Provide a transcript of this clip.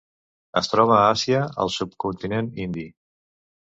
Es troba a Àsia: el subcontinent indi.